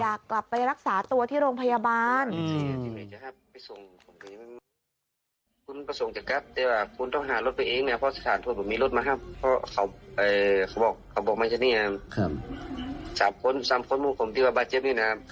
อยากกลับไปรักษาตัวที่โรงพยาบาล